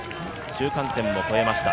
中間点も越えました。